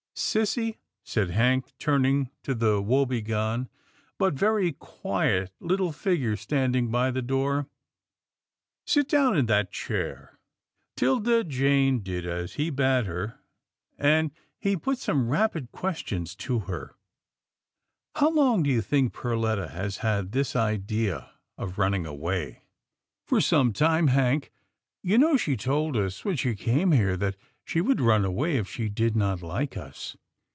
" Sissy," said Hank, turning to the woebegone, but very quiet little figure standing by the door, " sit down in that chair." 'Tilda Jane did as he bade her, and he put some 172 'TILDA JANE'S ORPHANS rapid questions to her. " How long do you think Perletta has had this idea of running away? "" For some time, Hank. You know she told us when she came here that she would run away if she did not like us."